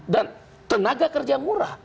dan tenaga kerja murah